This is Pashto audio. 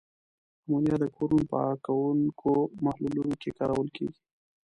امونیا د کورونو په پاکوونکو محلولونو کې کارول کیږي.